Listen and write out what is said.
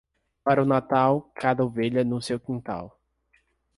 Para o Natal, cada ovelha no seu quintal.